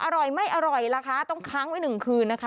อร่อยไม่อร่อยล่ะคะต้องค้างไว้หนึ่งคืนนะคะ